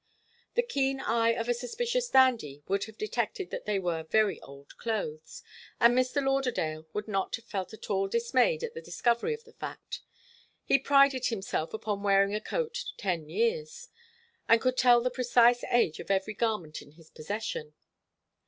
The keen eye of a suspicious dandy could have detected that they were very old clothes, and Mr. Lauderdale would not have felt at all dismayed at the discovery of the fact. He prided himself upon wearing a coat ten years, and could tell the precise age of every garment in his possession.